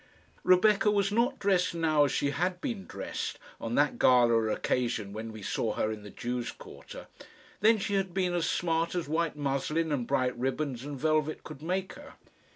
Rebecca was not dressed now as she had been dressed on that gala occasion when we saw her in the Jews' quarter. Then she had been as smart as white muslin and bright ribbons and velvet could make her.